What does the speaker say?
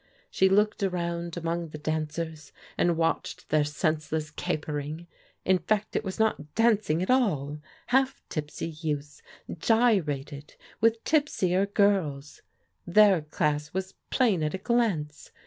She looked around among the dancers and watched their senseless capering; in f act^ it was not dandng at all. Half tipsy youths gyrated with tipsier girls. Their class was plain at a glance.